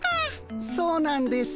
そうなんです。